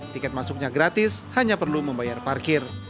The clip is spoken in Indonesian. tiket masuknya gratis hanya perlu membayar parkir